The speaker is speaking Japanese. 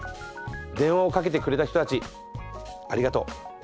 電話をかけてくれた人たちありがとう。